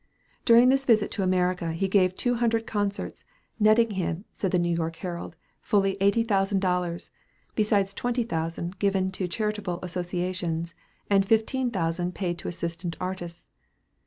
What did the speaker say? During this visit to America he gave two hundred concerts, netting him, said the "New York Herald," fully eighty thousand dollars, besides twenty thousand given to charitable associations, and fifteen thousand paid to assistant artists.